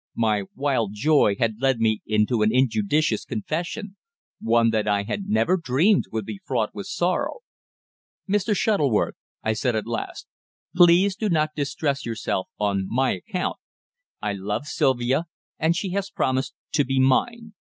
My wild joy had led me into an injudicious confession one that I had never dreamed would be fraught with sorrow. "Mr. Shuttleworth," I said at last, "please do not distress yourself on my account. I love Sylvia, and she has promised to be mine.